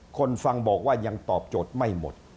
คนฟังบอกว่ายังตอบโจทย์ไม่หมด